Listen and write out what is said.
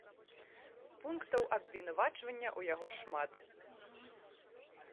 Пунктаў абвінавачвання ў яго шмат.